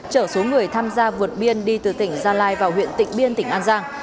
chở số người tham gia vượt biên đi từ tỉnh gia lai vào huyện tỉnh biên tỉnh an giang